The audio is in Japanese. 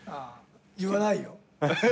言わないよ。